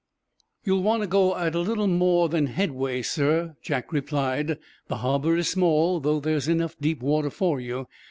"You'll want to go at little more than headway, sir," Jack replied. "The harbor is small, though there's enough deep water for you.